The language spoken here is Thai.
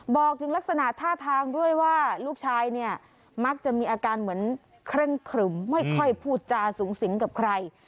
บอกถึงลักษณะท่าทางด้วยว่าลูกชายเนี่ยมักจะมีอาการเหมือนเคร่งครึมไม่ค่อยพูดจาสูงสิงกับใคร